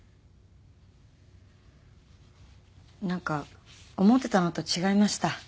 何か思ってたのと違いました。